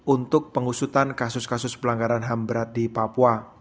untuk pengusutan kasus kasus pelanggaran ham berat di papua